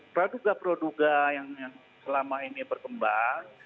praduga praduga yang selama ini berkembang